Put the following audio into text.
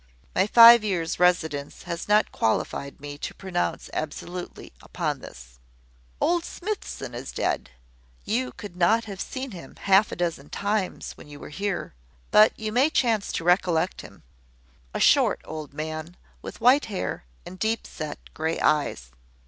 My five years' residence has not qualified me to pronounce absolutely upon this. "Old Smithson is dead. You could not have seen him half a dozen times when you were here; but you may chance to recollect him, a short old man, with white hair, and deep set grey eyes.